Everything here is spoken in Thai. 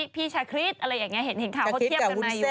พี่ชาคริสอะไรอย่างนี้เห็นข่าวเขาเทียบกันมาอยู่